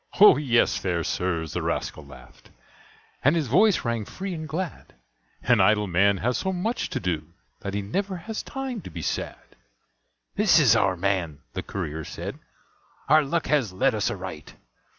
"O yes, fair sirs!" the rascal laughed, And his voice rang free and glad, "An idle man has so much to do That he never has time to be sad." "This is our man," the courier said "Our luck has led us aright.